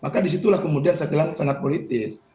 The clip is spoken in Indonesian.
maka disitulah kemudian saya bilang sangat politis